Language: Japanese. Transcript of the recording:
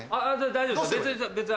大丈夫ですよ。